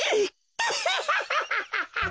アハハハハハハ！